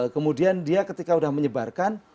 kemudian dia ketika sudah menyebarkan